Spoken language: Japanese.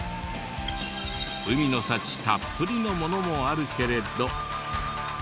海の幸たっぷりのものもあるけれど。